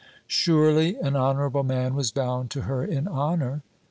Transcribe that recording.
Surely an honourable man was bound to her in honour?